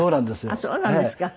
あっそうなんですか。